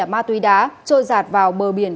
ma túy đá trôi rạt vào bờ biển